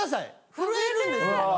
震えるんですよ。